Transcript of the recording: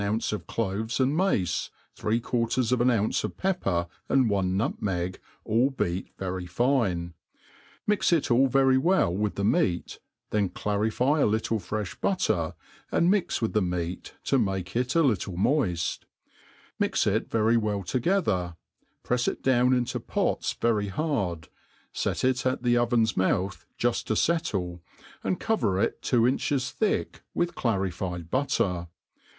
punceof cloVes and mace, three quar ters of an ounce of pepper, ai|d one nutmeg, all beat very fine. Mix it aUvery well with the meat, then clarify a little fre(h butter and mix with the meat, to make it a little moid ; mix it y^x'y well together, prefs it down into pots very hard, fet it at the oven's mouth juft to fettle, and cover it two inches thick with clarified butter.